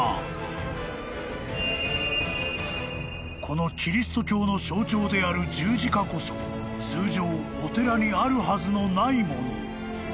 ［このキリスト教の象徴である十字架こそ通常お寺にあるはずのないもの］